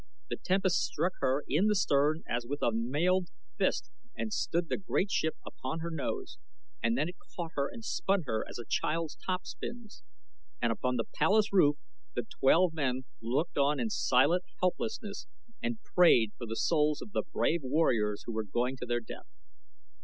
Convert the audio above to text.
The tempest struck her in the stern as with a mailed fist and stood the great ship upon her nose, and then it caught her and spun her as a child's top spins; and upon the palace roof the twelve men looked on in silent helplessness and prayed for the souls of the brave warriors who were going to their death.